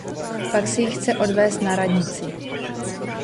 Pak si ji chce odvést na radnici.